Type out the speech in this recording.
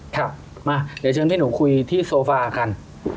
ครับมาเดี๋ยวเชิญพี่หนูคุยที่โซฟากัน